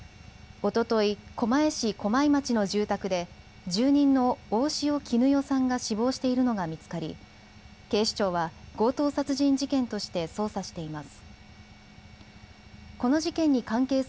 おととい狛江市駒井町の住宅で住人の大塩衣與さんが死亡しているのが見つかり警視庁は強盗殺人事件として捜査しています。